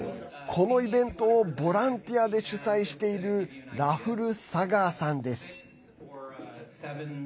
このイベントをボランティアで主催しているラフル・サガーさんです。